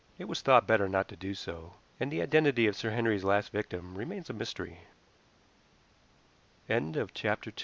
It was thought better not to do so, and the identity of Sir Henry's last victim remains a mystery. C